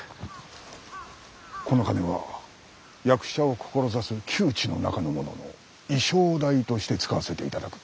この金は役者を志す旧知の仲の者の衣装代として使わせていただく。